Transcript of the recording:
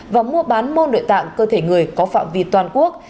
và mua bán môn nội tạng cơ thể người có phạm vi toàn quốc